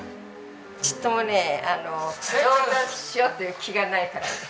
ちっともね上達しようっていう気がないから。